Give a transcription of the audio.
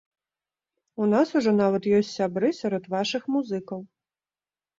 У нас ужо нават ёсць сябры сярод вашых музыкаў.